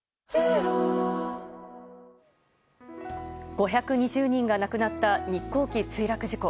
５２０人が亡くなった日航機墜落事故。